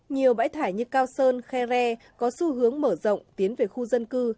nhiều bãi thải như cao sơn khe re có xu hướng mở rộng tiến về khu dân cư